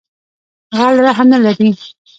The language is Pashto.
غل رحم نه لری